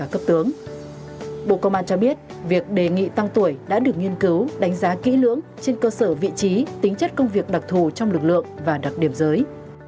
bộ công an cho biết việc đề nghị tăng tuổi đã được nghiên cứu đánh giá kỹ lưỡng trên cơ sở vị trí tính chất công việc đặc thù trong lực lượng và đặc điểm giới